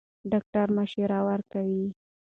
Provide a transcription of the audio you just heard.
ډاکټره مشوره ورکوي.